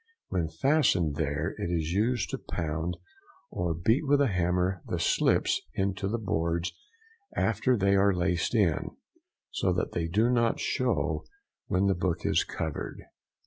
When fastened there it is used to pound or beat with a hammer the slips into the boards after they are laced in, so that they do not show when the book is covered.